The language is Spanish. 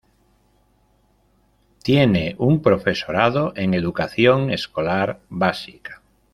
Tiene un Profesorado en Educación Escolar Básica.